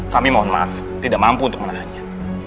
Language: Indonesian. kami mohon maaf tidak mampu untuk menahannya